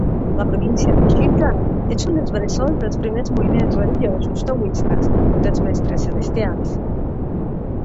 La província de Sichuan és un dels bressols dels primers moviments religiosos taoistes dels Mestres Celestials.